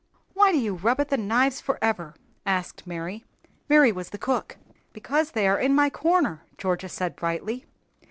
"Why do you rub at the knives forever?" asked Mary. Mary was the cook. "Because they are in my corner," Georgia said, brightly.